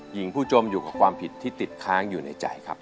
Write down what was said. หญิงผู้จมอยู่กับความผิดที่ติดค้างอยู่ในใจครับ